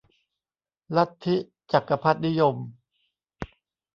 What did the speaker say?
ลัทธิจักรพรรดินิยม